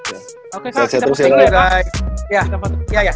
oke kak kita pusing ya kak